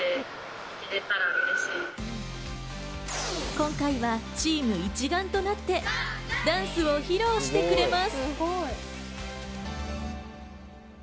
今回はチーム一丸となってダンスを披露してくれます。